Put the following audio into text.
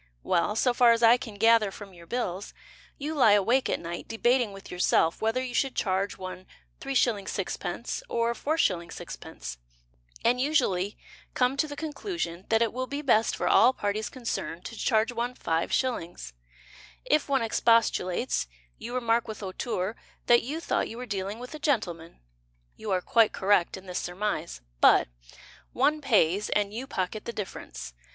Well, So far as I can gather from your bills, You lie awake at night Debating with yourself Whether you should charge one 3s. 6d. or 4s. 6d. And you usually come to the conclusion That it will be best For all parties concerned To charge one 5s. If one expostulates, You remark With hauteur That you thought you were dealing with a gentleman. You are quite correct in this surmise. But One pays, And you pocket the difference.